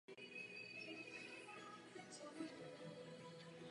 Dnes je na pořadu metoda skryté koordinace.